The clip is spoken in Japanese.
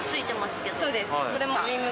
そうです。